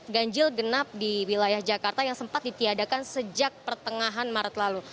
ganjil genap di wilayah jakarta yang sempat ditiadakan sejak pertengahan maret lalu